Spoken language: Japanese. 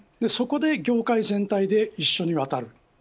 そこで業界全体で一緒に渡る。